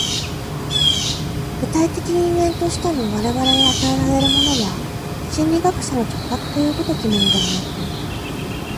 具体的人間としての我々に与えられるものは、心理学者の直覚という如きものではなく、